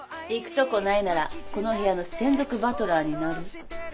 行くとこないならこの部屋の専属バトラーになる？